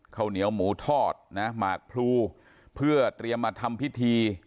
ข้าวเหนียวหมูทอดนะหมากพลูเพื่อเตรียมมาทำพิธี